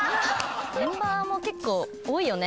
メンバーも結構多いよね。